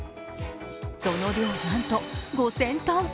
その量、なんと５０００ｔ。